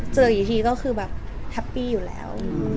เจออีกทีก็คือแบบแฮปปี้อยู่แล้ว